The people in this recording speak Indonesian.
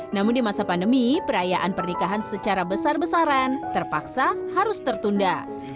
namun di masa pandemi perayaan pernikahan secara besar besaran terpaksa harus tertunda